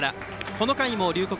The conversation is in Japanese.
この回も龍谷